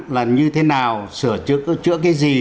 là như thế nào sửa trước cái gì